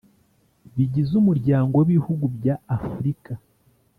bigize Umuryango w Ibihugu bya Afurika